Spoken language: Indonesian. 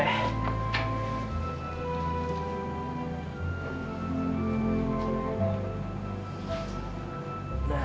ya ini untuk apa